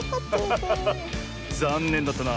ざんねんだったな。